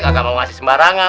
gak mau ngasih sembarangan